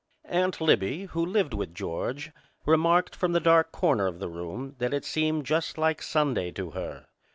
Aunt Libbie, who lived with George, remarked from the dark corner of the room that it seemed just like Sunday to her.